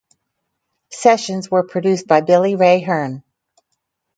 Sessions were produced by Billy Ray Hearn.